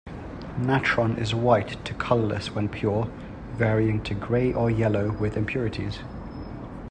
Natron is white to colourless when pure, varying to gray or yellow with impurities.